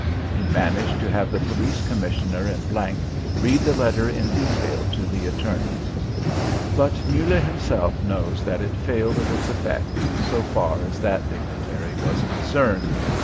He managed to have the Police Commissioner in G read the letter in detail to the attorney. But Muller himself knows that it failed of its effect, so far as that dignitary was concerned.